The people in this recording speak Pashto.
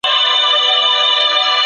د مېوو استعمال د عمر موده زیاتوي.